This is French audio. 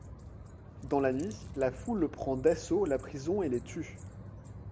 Dans la nuit, la foule prend d’assaut la prison et les tue.